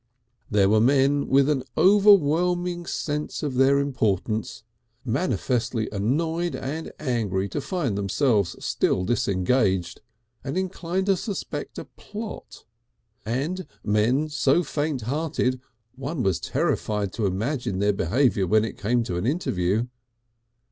There were men with an overweening sense of their importance, manifestly annoyed and angry to find themselves still disengaged, and inclined to suspect a plot, and men so faint hearted one was terrified to imagine their behaviour when it came to an interview.